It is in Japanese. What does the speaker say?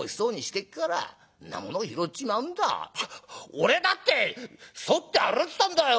「俺だって反って歩ってたんだよ。